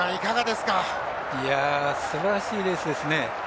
すばらしいレースですね。